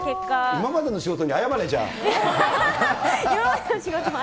今までの仕事に謝れ、じゃあ。